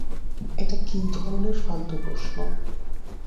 এটা কী ধরনের ফালতু প্রশ্ন?